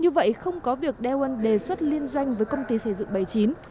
như vậy không có việc daewon đề xuất liên doanh với công ty xây dựng bảy mươi chín